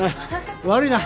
悪いな！